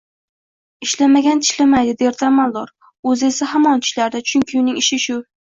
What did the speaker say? Ishlamagan tishlamaydi, derdi amaldor. O’zi esa hamon tishlardi. Chunki uning ishi shu.